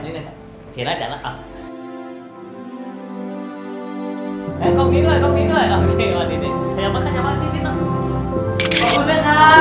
ดีใจนะที่บ้านสิงหรือบ้านสิงหรือ